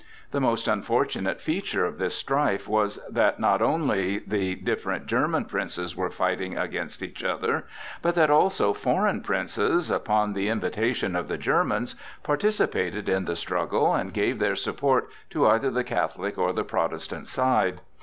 The most unfortunate feature of this strife was that not only the different German princes were fighting against each other, but that also foreign princes, upon the invitation of the Germans, participated in the struggle and gave their support to either the Catholic or the Protestant side.